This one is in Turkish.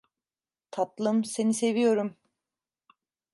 Tatlım, seni seviyorum.